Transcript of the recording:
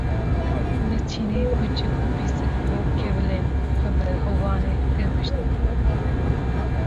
Li Çînê kûçik û pisîk, bo kevilên xwe bi hovane tên kuştin